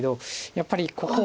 やっぱりここ。